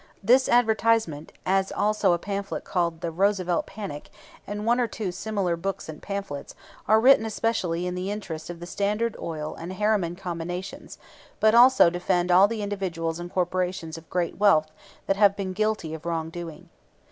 This advertisement, as also a pamphlet called "The Roosevelt Panic," and one or two similar books and pamphlets, are written especially in the interest of the Standard Oil and Harriman combinations, but also defend all the individuals and corporations of great wealth that have been guilty of wrongdoing.